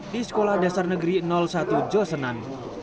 di sekolah dasar negeri satu josenan